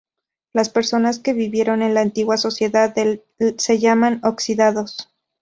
Las personas que vivieron en la antigua sociedad se llaman "Oxidados".